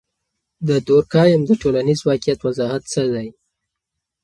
د دورکهايم د ټولنیز واقعیت وضاحت څه دی؟